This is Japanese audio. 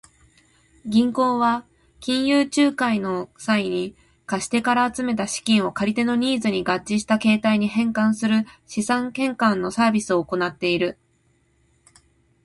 銀行は金融仲介の際に、貸し手から集めた資金を借り手のニーズに合致した形態に変換する資産変換のサービスを行っている。